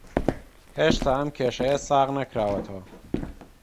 هێشتا ئەم کێشەیە ساغ نەکراوەتەوە